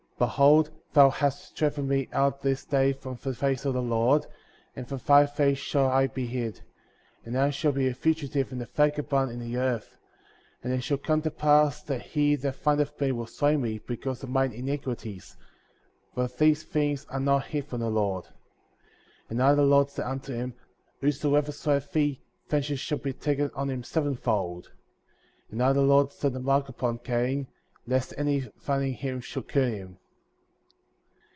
Behold thou hast driven me out this day from the face of the Lord, and from thy face shall I be hid;<^ and I shall be a fugitive and a vagabond in the earth ; and it shall come to pass, that he that findeth me will slay me, because of mine iniquities, for these things are not hid from the Lord. 40. And I the Lord said unto him: Whosoever slayeth thee, vengeance shall be taken on him seven fold. And I the Lord set a mark upon Cain, lest any finding him should kill him.